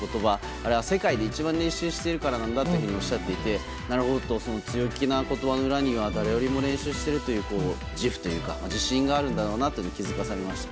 あれは世界で一番練習しているからなんだとおっしゃっていて強気な言葉の裏には誰よりも練習しているという自負というか自信があるんだろうなと気づかされました。